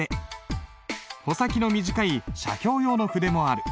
穂先の短い写経用の筆もある。